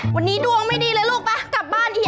วันนี้ดวงไม่ดีเลยลูกป่ะกลับบ้านที